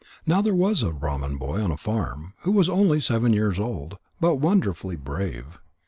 Now there was a Brahman boy on a farm, who was only seven years old, but wonderfully brave.